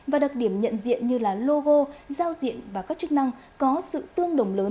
và đặc điểm nhận diện như là logo giao diện và các chức năng có sự tương đồng lớn